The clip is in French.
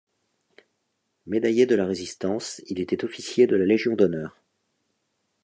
Médaillé de la Résistance, il était officier de la Légion d'honneur.